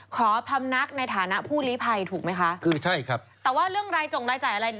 พำนักในฐานะผู้ลีภัยถูกไหมคะคือใช่ครับแต่ว่าเรื่องรายจงรายจ่ายอะไร